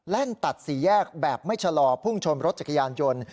ตัดสี่แยกแบบไม่ชะลอพุ่งชนรถจักรยานยนต์